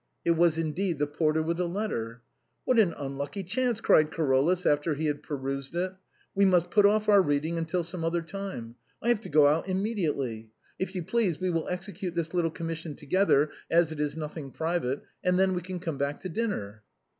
It was indeed the porter with a letter. " What an un lucky chance !" cried Carolus, after he had perused it. " We must put off our reading till some other time ; I have to go out immediately. If you please, we will execute this little commission together, as it is nothing private, and then we can come back to dinner."